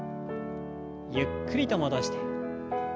ゆっくりと戻して。